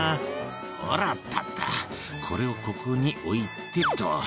「ほらあったあったこれをここに置いてっと」